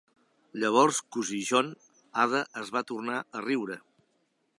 "Llavors, cosí John-" Ada es va tornar a riure.